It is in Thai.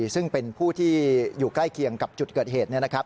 ซึ่งเป็นผู้ที่อยู่ใกล้เคียงกับจุดเกิดเหตุ